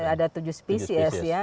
ada tujuh spesies